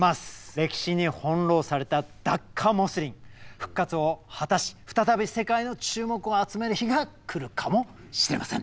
歴史に翻弄されたダッカモスリン復活を果たし再び世界の注目を集める日が来るかもしれません。